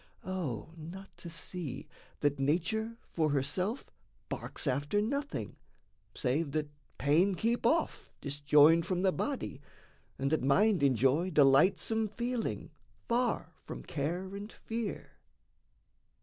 O not to see that nature for herself Barks after nothing, save that pain keep off, Disjoined from the body, and that mind enjoy Delightsome feeling, far from care and fear!